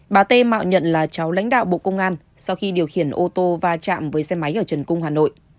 bà t mạo nhận là cháu lãnh đạo bộ công an sau khi điều khiển ô tô va chạm với xe máy ở trần cung hà nội